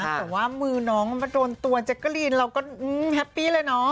แต่ว่ามือน้องมาโดนตัวแจ๊กกะลีนเราก็แฮปปี้เลยเนาะ